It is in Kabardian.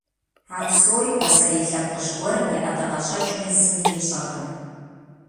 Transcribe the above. А псори пасэрей лъэпкъыжь гуэрым и ӀэдакъэщӀэкӀми зыми ищӀэркъым.